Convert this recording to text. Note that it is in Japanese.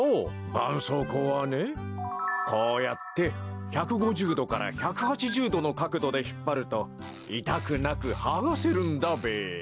ばんそうこうはねこうやって１５０どから１８０どのかくどでひっぱるといたくなくはがせるんだべや。